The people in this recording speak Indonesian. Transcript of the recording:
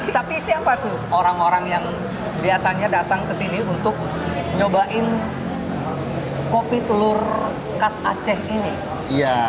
tapi siapa tuh orang orang yang biasanya datang ke sini untuk nyobain kopi telur khas aceh ini